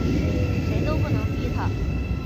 谁都不能逼他